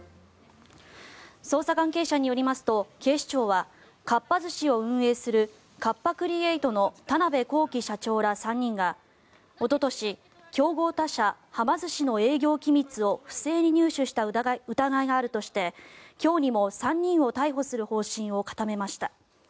捜査関係者によりますと警視庁はかっぱ寿司を運営するカッパ・クリエイトの田邊公己社長ら３人をおととし競合他社、はま寿司の営業機密を不正に入手した疑いがあるとして今日にも３人を逮捕する方針を固めました。